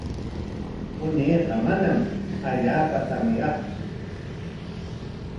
Unayqa manam allaapa tamyaqtsu.